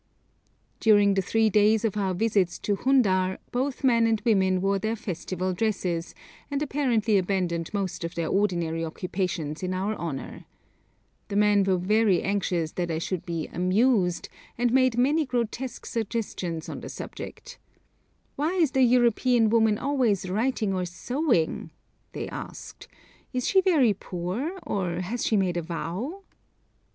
During the three days of our visits to Hundar both men and women wore their festival dresses, and apparently abandoned most of their ordinary occupations in our honour. The men were very anxious that I should be 'amused,' and made many grotesque suggestions on the subject. 'Why is the European woman always writing or sewing?' they asked. 'Is she very poor, or has she made a vow?'